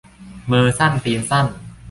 มือสั้นตีนสั้น